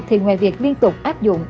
thì ngoài việc liên tục áp dụng